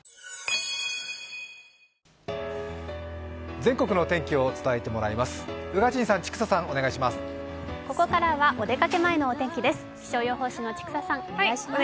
全国のお天気を伝えてもらいます。